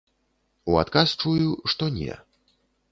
У адказ чую, што не.